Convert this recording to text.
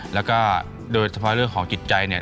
แล้วก็โดยสำหรับเรื่องของจิตใจ